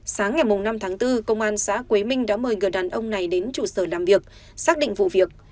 sáng ngày năm tháng bốn công an xã quế minh đã mời người đàn ông này đến trụ sở làm việc xác định vụ việc